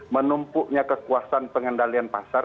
menumpuknya kekuasaan pengendalian pasar